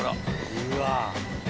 うわ。